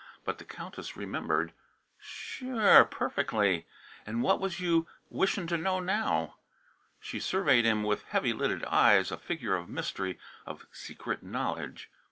But the Countess remembered. "Sure; perfectly! And what was you wishing to know now?" She surveyed him with heavy lidded eyes, a figure of mystery, of secret knowledge.